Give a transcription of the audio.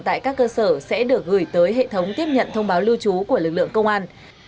tại các cơ sở sẽ được gửi tới hệ thống tiếp nhận thông báo lưu trú của lực lượng công an